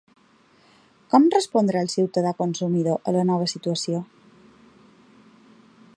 Com respondrà el ciutadà-consumidor a la nova situació?